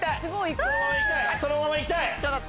そのまま行きたい！